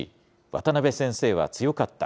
渡辺先生は強かった。